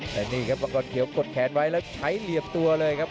แต่นี่ครับมังกรเขียวกดแขนไว้แล้วใช้เหลี่ยมตัวเลยครับ